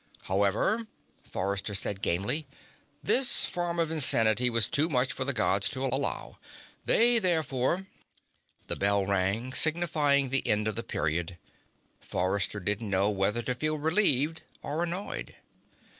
"However," Forrester said gamely, "this form of insanity was too much for the Gods to allow. They therefore " The bell rang, signifying the end of the period. Forrester didn't know whether to feel relieved or annoyed.